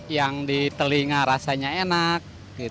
yang di telinga rasanya enak